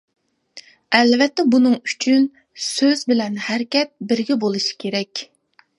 ئەلۋەتتە بۇنىڭ ئۈچۈن سۈز بىلەن ھەرىكەت بىرگە بولۇشى كېرەك.